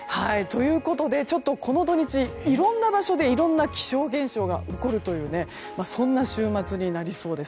この土日、いろんな場所でいろんな気象現象が起こるというそんな週末になりそうです。